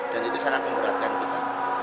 dan itu sangat pemberatkan kita